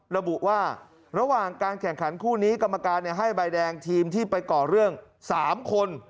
ระบุว่าระหว่างการแข่งขันคู่นี้กรรมการให้ใบแดงทีมที่ไปก่อเรื่อง๓คน